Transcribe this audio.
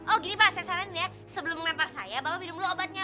oh gini pak saya saranin ya sebelum memempar saya bapak minum dulu obatnya